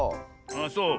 あっそう。